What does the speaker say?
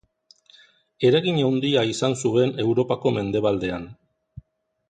Eragin handia izan zuen Europako mendebaldean.